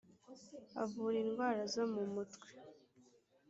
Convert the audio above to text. avura idwara zo mu mutwe